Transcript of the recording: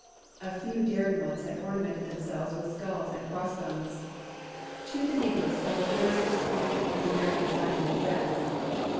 A few daring ones had ornamented themselves with skulls and crossbones. To the negroes fell the bitterest disappointment of the American landing in France.